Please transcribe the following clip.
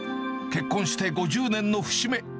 結婚して５０年の節目。